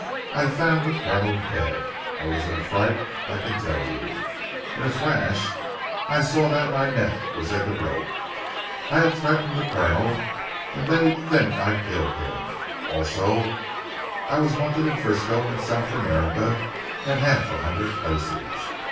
I found the Colonel dead. I was in a fright I can tell you. In a flash I saw that my neck was in the rope. I had threatened the Colonel and they'd think I'd killed him. Also I was wanted in Frisco and South America and half a hundred places.